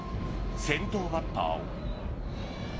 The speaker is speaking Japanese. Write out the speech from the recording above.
先頭バッターを。